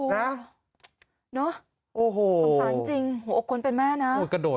นี่สงสารจริงขนเป็นแม่นะโอ้โหนี่ขนกระโดด